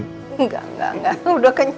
enggak enggak enggak